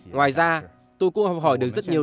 ngoài ra tôi cũng học hỏi được rất nhiều